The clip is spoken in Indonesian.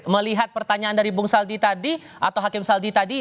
melihat pertanyaan dari bung saldi tadi atau hakim saldi tadi